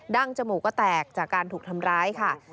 ั้งจมูกก็แตกจากการถูกทำร้ายค่ะ